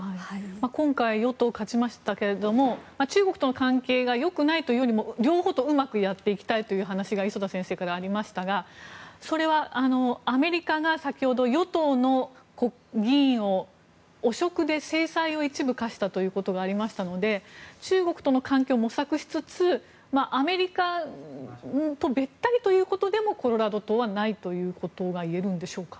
今回、与党が勝ちましたが中国との関係が良くないよりも両方とうまくやっていきたいという話が磯田先生からありましたがそれはアメリカが先ほど、与党の議員を汚職で制裁を一部科したことがありましたので中国との関係を模索しつつアメリカとべったりということでもコロラド党はないということがいえるんでしょうか？